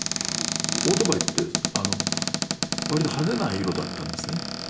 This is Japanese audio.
オートバイって割と派手な色だったんですね。